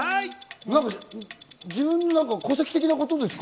自分の戸籍的なことですか？